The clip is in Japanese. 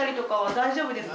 大丈夫です。